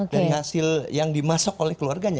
dari hasil yang dimasak oleh keluarganya